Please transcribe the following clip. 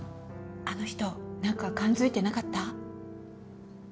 あの人何か勘づいてなかった？